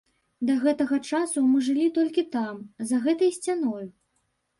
Да гэтага часу мы жылі толькі там, за гэтай сцяною.